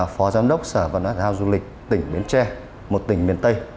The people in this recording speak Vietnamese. phó giám đốc sở văn hóa thảo du lịch tỉnh biến tre một tỉnh miền tây